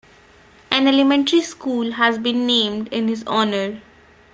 An elementary school has been named in his honour.